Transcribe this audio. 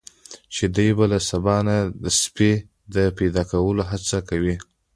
چې دی به له سبا نه د سپي د پیدا کولو هڅه کوي.